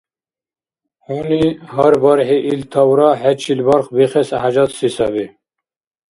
ХӀуни гьар бархӀи ил тавра хӀечил барх бихес хӀяжатси саби